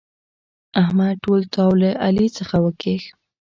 احمد ټول تاو له علي څخه وکيښ.